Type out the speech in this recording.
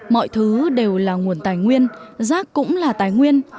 mọi thứ đều là nguồn tài nguyên rác cũng là tài nguyên